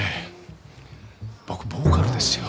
僕ボーカルですよ。